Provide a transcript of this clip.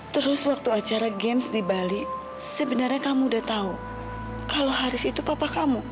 terus waktu acara games di bali sebenarnya kamu udah tahu kalau haris itu papa kamu